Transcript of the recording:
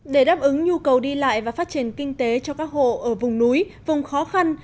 để đáp ứng nhu cầu đi lại và phát triển kinh tế cho các hộ ở vùng núi vùng khó khăn